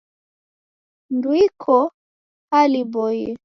Ndw'iko hali iboie.